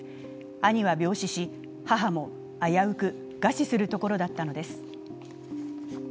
兄は病死し、母も危うく餓死するところだったのです。